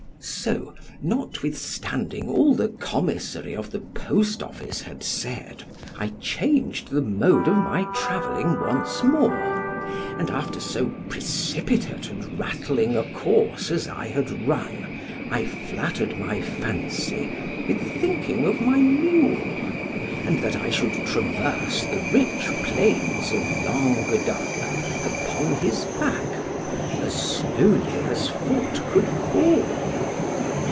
So notwithstanding all the commissary of the post office had said, I changed the mode of my travelling once more; and, after so precipitate and rattling a course as I had run, I flattered my fancy with thinking of my mule, and that I should traverse the rich plains of Languedoc upon his back, as slowly as foot could fall.